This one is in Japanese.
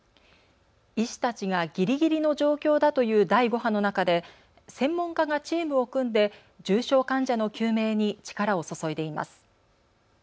医師たちがぎりぎりの状況だという第５波の中で専門家がチームを組んで重症患者の救命に力を注いでいます。